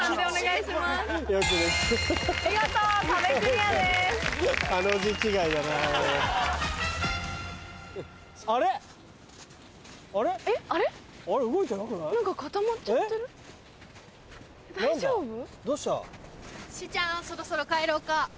しゅうちゃんそろそろ帰ろうか？